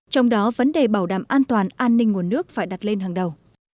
trong đó vấn đề bảo đảm an toàn an ninh nguồn nước phải đặt lên hàng đầu